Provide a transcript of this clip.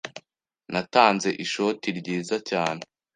Natanze ishoti ryiza cyane.